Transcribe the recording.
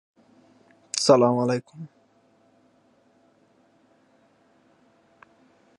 دې کور ته پاملرنه وکړئ.